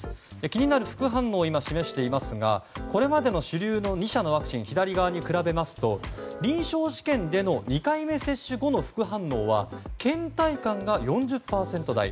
気になる副反応を示していますがこれまでの主流２社のワクチンに比べますと臨床試験での２回目接種後の副反応は倦怠感が４０％台。